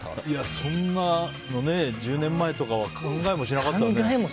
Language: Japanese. そんなの１０年前とかは考えもしなかったよね。